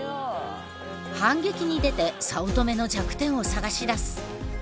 反撃に出て早乙女の弱点を探し出す。